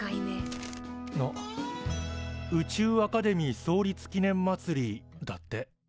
宇宙アカデミー創立記念まつりだって。